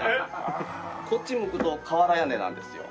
こっち向くと瓦屋根なんですよ。